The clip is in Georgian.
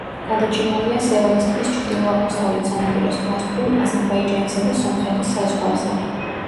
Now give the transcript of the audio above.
გადაჭიმულია სევანის ტბის ჩრდილო-აღმოსავლეთ სანაპიროს გასწვრივ აზერბაიჯანისა და სომხეთის საზღვარზე.